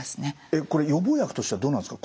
これ予防薬としてはどうなんですか